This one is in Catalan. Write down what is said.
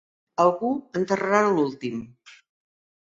Algú enterrarà l'últim.